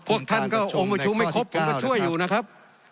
พวกท่านก็องค์ประชุมไม่ครบผมก็ช่วยอยู่นะครับ